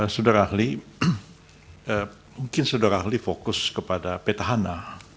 saudara ahli mungkin saudara ahli fokus kepada petahana